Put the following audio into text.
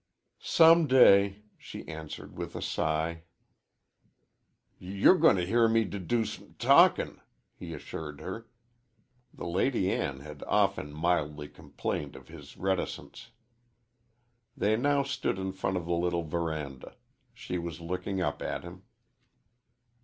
"Some day," she answered, with a sigh. "Y you're g goin' to hear me d do some t talkin'," he assured her. The Lady Ann had often mildly complained of his reticence. They now stood in front of the little veranda. She was looking up at him.